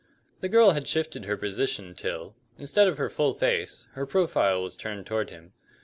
The girl had shifted her position till, instead of her full face, her profile was turned toward him.